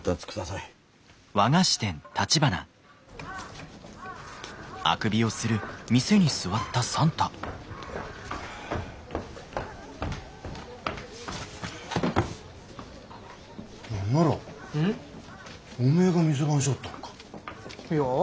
いや？